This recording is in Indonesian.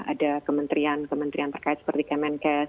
ada kementerian kementerian terkait seperti kemenkes